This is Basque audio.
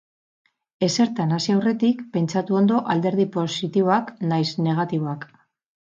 Ezertan hasi aurretik, pentsatu ondo alderdi postiboak nahiz negatiboak.